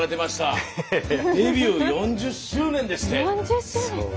デビュー４０周年ですって！